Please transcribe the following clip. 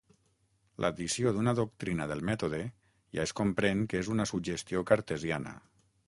L'addició d'una doctrina del mètode ja es comprèn que és una suggestió cartesiana.